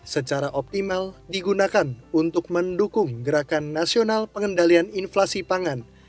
secara optimal digunakan untuk mendukung gerakan nasional pengendalian inflasi pangan